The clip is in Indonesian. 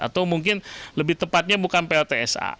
atau mungkin lebih tepatnya bukan pltsa